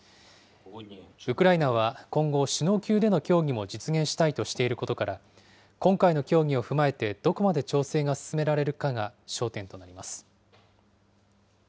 ウクライナは今後、首脳級での協議も実現したいとしていることから今回の協議を踏まえてどこまで調整が進められるかが焦点となります。